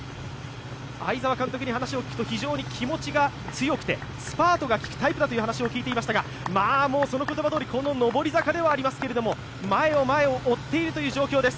会沢監督に話を聞くと非常に気持ちが強くて、スパートがきくタイプだという話を聞いていましたが、その言葉どおり、上り坂ではありますけれども、前を前を追っている状況です。